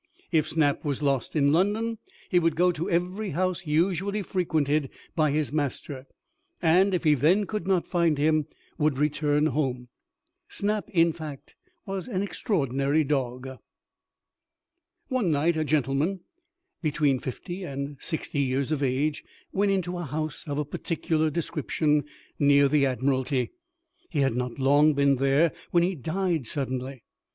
If Snap was lost in London, he would go to every house usually frequented by his master; and if he then could not find him, would return home. Snap, in fact, was an extraordinary dog. One night, a gentleman, between fifty and sixty years of age, went into a house of a particular description near the Admiralty. He had not been long there when he died suddenly.